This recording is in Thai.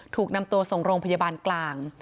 ถูกนำตัวส่งโรงพยาบาลกลาง